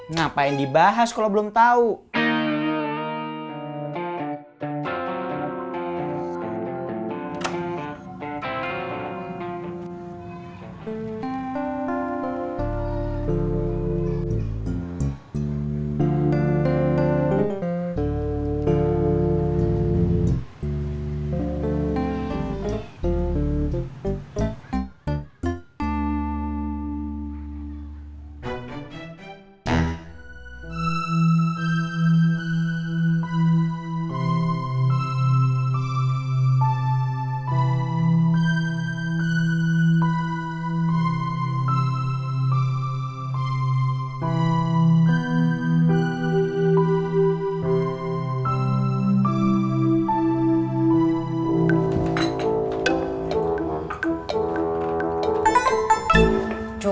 ngapain dibahas kalo belum tau